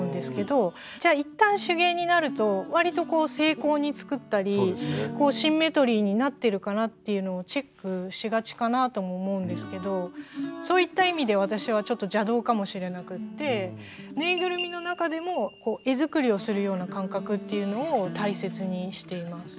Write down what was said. じゃあ一旦手芸になるとわりとこう精巧に作ったりシンメトリーになってるかなっていうのをチェックしがちかなとも思うんですけどそういった意味で私はちょっと邪道かもしれなくてっていうのを大切にしています。